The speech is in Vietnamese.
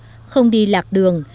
nếu ngủ tốt không đi lạc đường